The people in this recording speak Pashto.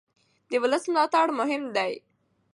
د ولس ملاتړ مهم دی